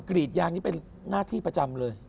กรีดยางนี่เป็นหน้าที่ประจำเลย